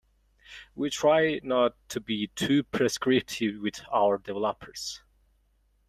We try not to be too prescriptive with our developers.